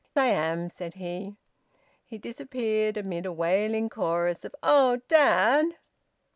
"I am," said he. He disappeared amid a wailing chorus of "Oh, dad!"